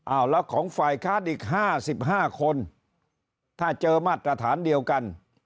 แล้วของฝ่ายค้านอีก๕๕คนถ้าเจอมาตรฐานเดียวกัน